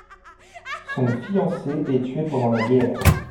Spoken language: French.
Son fiancé est tué pendant la guerre.